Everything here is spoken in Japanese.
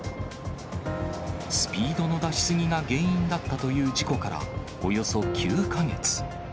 スピードの出し過ぎが原因だったという事故からおよそ９か月。